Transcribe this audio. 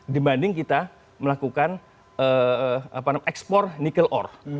dibanding kita melakukan ekspor nikel ore